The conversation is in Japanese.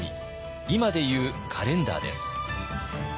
今で言うカレンダーです。